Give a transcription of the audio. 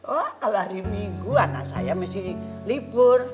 oh kalo hari minggu anak saya mesti libur